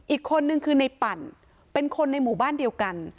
อีกคนนึงคือในปั่นเป็นคนในหมู่บ้านเดียวกัน